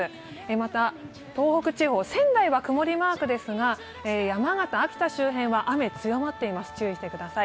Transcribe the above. また東北地方、仙台は曇りマークですが山形、秋田周辺は雨強まっています注意してください。